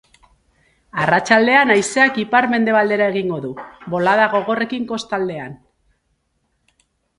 Arratsaldean haizeak ipar-mendebaldera egingo du, bolada gogorrekin kostaldean.